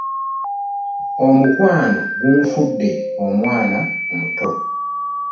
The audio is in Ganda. Omukwano gunfudde omwana omuto.